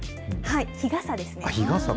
日傘ですね。